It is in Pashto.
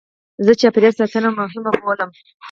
زه چاپېریال ساتنه مهمه بولم.